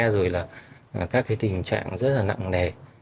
rồi là các cái tình trạng rất là nặng nề